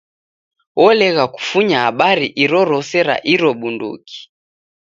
Olegha kufunya habari irorose ra iro bunduki.